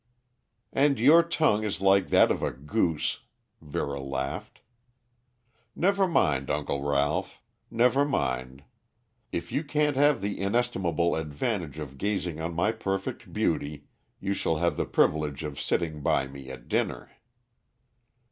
"And your tongue is like that of a goose," Vera laughed. "Never mind, Uncle Ralph. Never mind. If you can't have the inestimable advantage of gazing on my perfect beauty, you shall have the privilege of sitting by me at dinner."